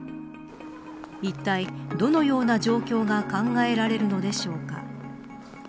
いったいどのような状況が考えられるのでしょうか。